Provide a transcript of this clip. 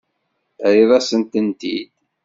Terriḍ-asent-tent-id?